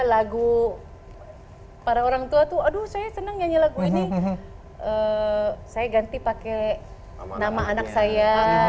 lagu para orang tua tuh aduh saya senang nyanyi lagu ini saya ganti pakai nama anak saya